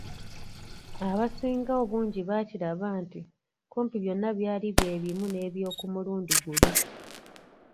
Abasinga obungi baakiraba nti kumpi byonna byali bye bimu n’eby'oku mulundi guli.